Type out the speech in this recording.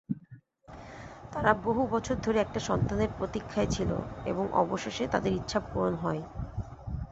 তারা বহুবছর ধরে একটা সন্তানের প্রতীক্ষায় ছিলো, এবং অবশেষে তাদের ইচ্ছা পূরণ হয়।